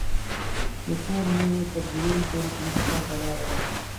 له کور نه یې تر جنین پورې پنځه ساعته لاره ده.